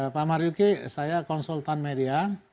pak maryuki saya konsultan media